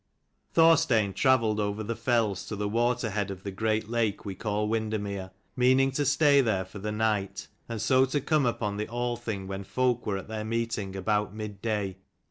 'HORSTEIN travelled over the CHAPTER tells to the waterhead of the XLVIL THE great lake we call Windermere, HOST OF meaning to stay there for the WEIRD. night, and so to come upon the Althing when folk were at their meeting about mid day.